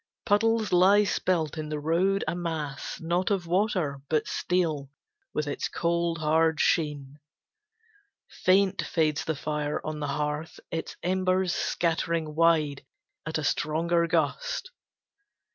Puddles lie spilt in the road a mass, not Of water, but steel, with its cold, hard sheen. Faint fades the fire on the hearth, its embers Scattering wide at a stronger gust.